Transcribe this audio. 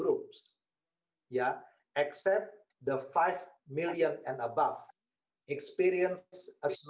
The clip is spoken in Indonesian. tapi saya tidak mengatakan bahwa